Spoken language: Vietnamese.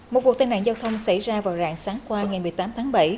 một vụ tai nạn giao thông xảy ra vào rạng sáng qua ngày một mươi tám tháng bảy